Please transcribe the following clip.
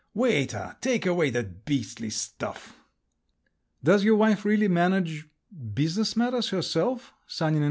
Waiter, take away that beastly stuff!" "Does your wife really manage … business matters herself?"